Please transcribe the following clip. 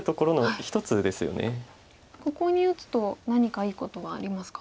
ここに打つと何かいいことはありますか？